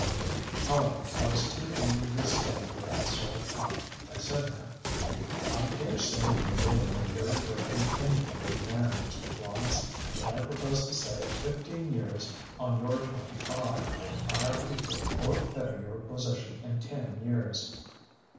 "However, I was too angry to stand for that sort of talk. I said to him: "'I dare say you're a very great and enviable man, Mr. Florance, but I propose to save fifteen years on your twenty five. I'll equal or better your position in ten years.